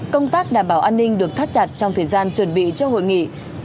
công tác đảm bảo an ninh được thắt chặt trong thời gian chuẩn bị cho hội nghị